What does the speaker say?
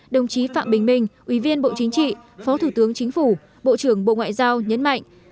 đồng chí phạm bình minh ủy viên bộ chính trị phó thủ tướng chính phủ bộ trưởng bộ ngoại giao nhấn mạnh